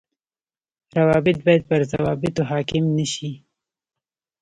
روابط باید پر ضوابطو حاڪم نشي